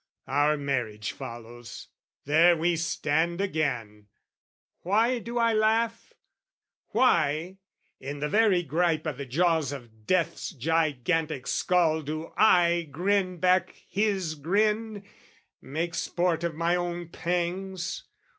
Our marriage follows: there we stand again! Why do I laugh? Why, in the very gripe O' the jaws of death's gigantic skull do I Grin back his grin, make sport of my own pangs?